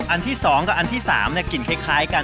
อันที่๒กับอันที่๓กลิ่นคล้ายกัน